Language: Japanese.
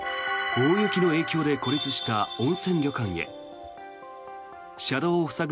大雪の影響で孤立した温泉旅館へ車道を塞ぐ